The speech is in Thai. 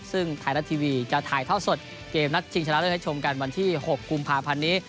ซึ่งไทยรัฐทีวีจะถ่ายท่อสดเกมนัดชิงชนะเลิศให้ชมกันวันที่๖กุมภาพันธ์นี้